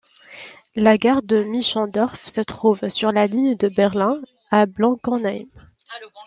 La gare de Michendorf se trouve sur la ligne de Berlin à Blankenheim.